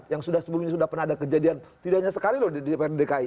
yang sebelumnya sudah pernah ada kejadian tidak hanya sekali loh di dprd dki